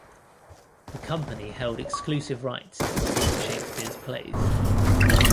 The company held exclusive rights to perform Shakespeare's plays.